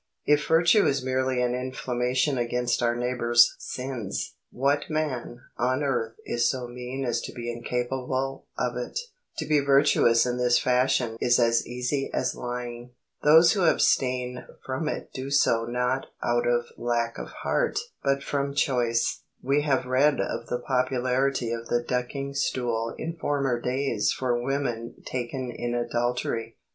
If virtue is merely an inflammation against our neighbour's sins, what man on earth is so mean as to be incapable of it? To be virtuous in this fashion is as easy as lying. Those who abstain from it do so not out of lack of heart, but from choice. We have read of the popularity of the ducking stool in former days for women taken in adultery.